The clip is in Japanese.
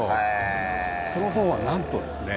この本はなんとですね